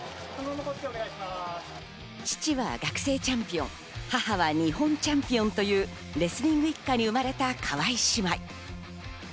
父は学生チャンピオン、母は日本チャンピオンというレスリング一家に生まれた川井姉妹。